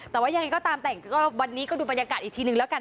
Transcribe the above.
แต่ว่ายังไงก็ตามแต่ก็วันนี้ก็ดูบรรยากาศอีกทีนึงแล้วกัน